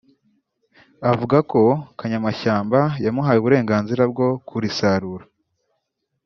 avuga ko kanyamashyamba yamuhaye uburenganzira bwo kurisarura